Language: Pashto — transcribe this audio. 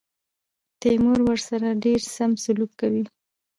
تیمور ورسره ډېر سم سلوک کوي.